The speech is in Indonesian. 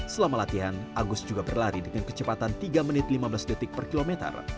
selama latihan agus juga berlari dengan kecepatan tiga menit lima belas detik per kilometer